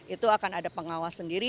itu akan ada pengawas sendiri